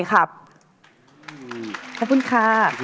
โปรดติดตามต่อไป